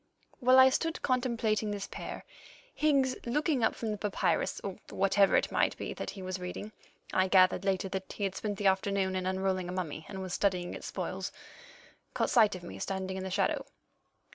While I stood contemplating this pair, Higgs, looking up from the papyrus or whatever it might be that he was reading (I gathered later that he had spent the afternoon in unrolling a mummy, and was studying its spoils), caught sight of me standing in the shadow.